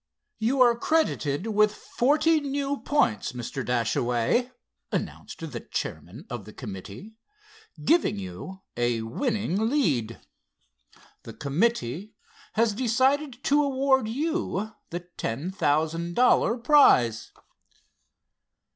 "You are credited with forty new points, Mr. Dashaway," announced the chairman of the committee, "giving you a winning lead. The committee has decided to award you the ten thousand dollar prize."